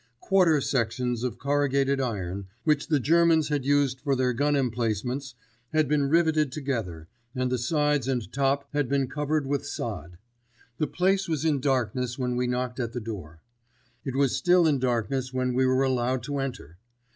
Quarter sections of corrugated iron, 'which the Germans had used for their gun emplacements, had been riveted together, and the sides and top had been covered with sod. The place was in darkness when we knocked at the door. It was still in darkness when we were allowed to enter.